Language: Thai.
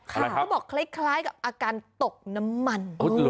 เขาบอกคล้ายกับอาการตกน้ำมัน